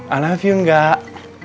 i love you enggak